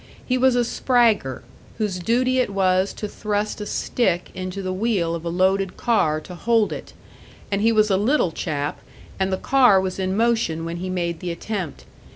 He was a "spragger," whose duty it was to thrust a stick into the wheel of a loaded car to hold it; and he was a little chap, and the car was in motion when he made the attempt.